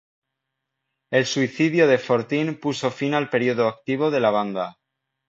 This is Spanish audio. El suicidio de Fortin puso fin al periodo activo de la banda.